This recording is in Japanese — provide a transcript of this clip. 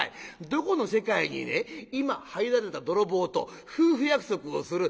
どこの世界にね今入られた泥棒と夫婦約束をする。